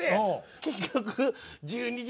結局。